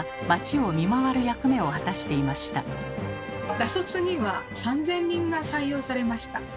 ら卒には３，０００人が採用されました。